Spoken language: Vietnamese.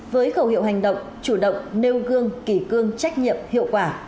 với khẩu hiệu hành động chủ động nêu gương kỳ cương trách nhiệm hiệu quả